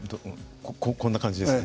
こんな感じですよね？